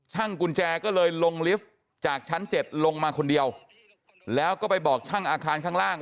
กุญแจก็เลยลงลิฟต์จากชั้น๗ลงมาคนเดียวแล้วก็ไปบอกช่างอาคารข้างล่าง